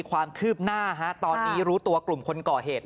ก่อนเกิดเหตุครับยกพวกมา๑๐กว่าคน